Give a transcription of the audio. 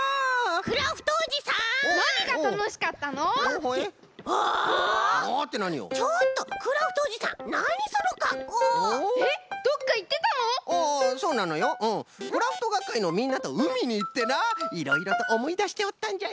クラフトがっかいのみんなとうみにいってないろいろとおもいだしておったんじゃよ。